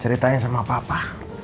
ceritain sama papa